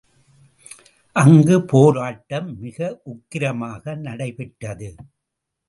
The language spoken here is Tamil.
அங்கு போராட்டம் மிக உக்கிரமாக நடைபெற்றது.